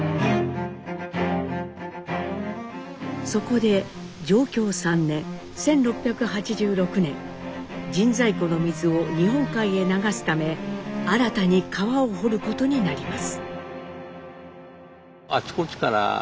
そこで貞享３年１６８６年神西湖の水を日本海へ流すため新たに川を掘ることになります。